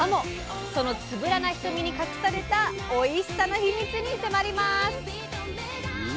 そのつぶらな瞳に隠されたおいしさの秘密に迫ります！